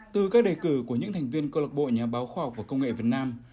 từ các đề cử của những thành viên cơ lộc bộ nhà báo khoa học và công nghệ việt nam